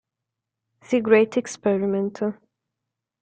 The Great Experiment